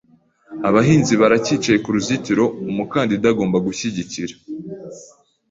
Abahinzi baracyicaye kuruzitiro umukandida agomba gushyigikira.